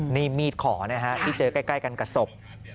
ในมีดขอนะครับที่เจอกล้ายกันกับศพ